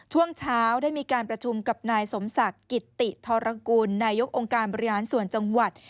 ช่วงเช้าได้มีการประชุมกับนายสมศักดิ์กิตติธรกุลนายกองค์การบริหารส่วนจังหวัด